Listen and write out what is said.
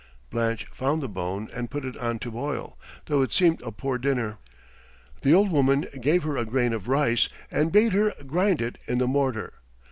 ] Blanche found the bone and put it on to boil, though it seemed a poor dinner. The old woman gave her a grain of rice and bade her grind it in the mortar.